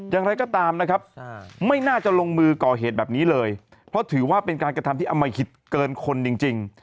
อย่างไรก็ตามนะครับไม่น่าจะลงมือก่อเหตุแบบนี้เลยเพราะถือว่าเป็นการกระทำที่อมหิตเกินคนจริง